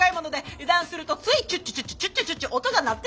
油断するとついチュッチュチュッチュチュッチュチュッチュ音が鳴ってしまうんです。